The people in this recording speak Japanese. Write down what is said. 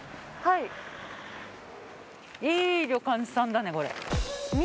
いい旅館さんだねこれ。